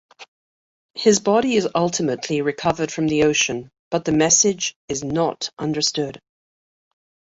His body is ultimately recovered from the ocean, but the message is not understood.